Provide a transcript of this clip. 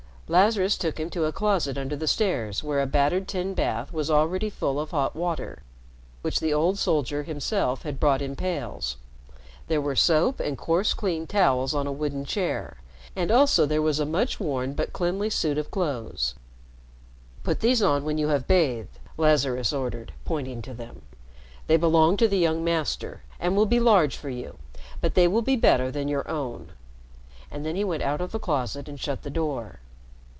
Lazarus took him to a closet under the stairs where a battered tin bath was already full of hot water, which the old soldier himself had brought in pails. There were soap and coarse, clean towels on a wooden chair, and also there was a much worn but clean suit of clothes. "Put these on when you have bathed," Lazarus ordered, pointing to them. "They belong to the young Master and will be large for you, but they will be better than your own." And then he went out of the closet and shut the door.